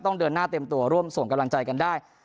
เดินหน้าเต็มตัวร่วมส่งกำลังใจกันได้